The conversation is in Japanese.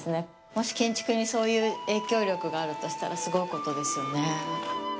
もし建築にそういう影響力があるとしたらすごいことですよね。